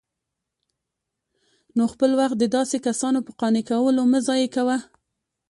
نو خپل وخت د داسي كسانو په قانع كولو مه ضايع كوه